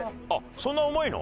そんな重いの？